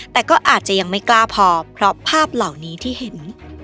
แต่ก็อาจจะยังไม่กล้าพอเพราะภาพเหล่านี้ที่เห็น